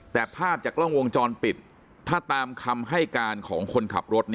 แต่ภาพจากกล้องวงจรปิดถ้าตามคำให้การของคนขับรถ